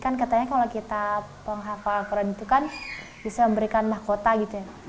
kan katanya kalau kita penghafal al quran itu kan bisa memberikan mahkota gitu ya